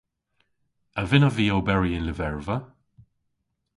A vynnav vy oberi y'n lyverva?